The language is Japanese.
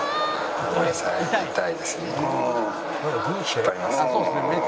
引っ張りますね。